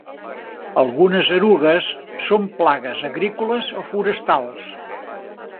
Algunes erugues són plagues agrícoles o forestals.